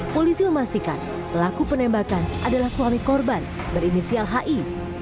polisi memastikan pelaku penembakan adalah suami korban berinisial hi